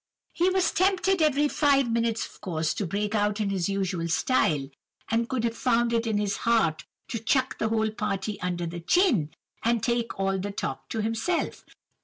"He was tempted every five minutes, of course, to break out in his usual style, and could have found it in his heart to chuck the whole party under the chin, and take all the talk to himself.